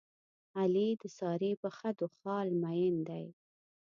علي د سارې په خدو خال مین دی.